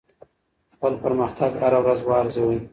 خپل پرمختګ هره ورځ وارزوئ.